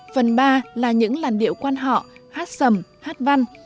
phần ba là những làn điệu quan họ hát sầm hát văn